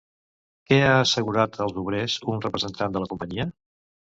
Què ha assegurat als obrers un representant de la companyia?